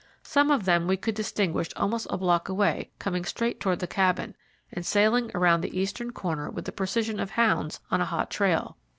Some of them we could distinguish almost a block away coming straight toward the Cabin, and sailing around the eastern corner with the precision of hounds on a hot trail.